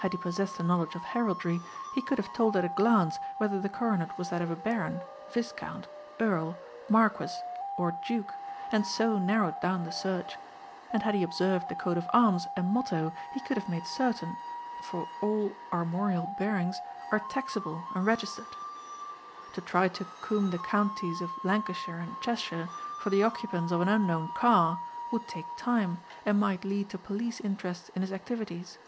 Had he possessed a knowledge of heraldry he could have told at a glance whether the coronet was that of a baron, viscount, earl, marquis or duke and so narrowed down the search. And had he observed the coat of arms and motto he could have made certain, for all armorial bearings are taxable and registered. To try to comb the counties of Lancashire and Cheshire for the occupants of an unknown car would take time and might lead to police interest in his activities.